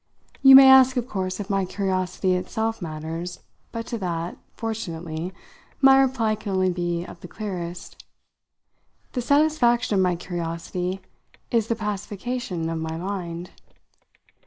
You may ask of course if my curiosity itself matters; but to that, fortunately, my reply can only be of the clearest. The satisfaction of my curiosity is the pacification of my mind.